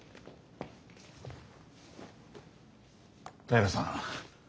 平良さん